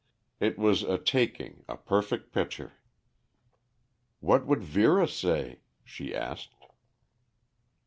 It was a taking, a perfect picture. "What would Vera say?" she asked.